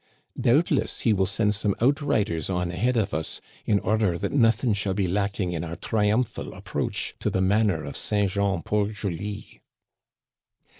Doubtless he will send some outriders on ahead of us, in order that nothing shall be lacking in our triumphal ap proach to the manor of St. Jean Port Joli